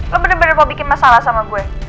lo bener bener gue bikin masalah sama gue